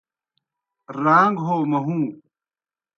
راݩگ ہو مہُوں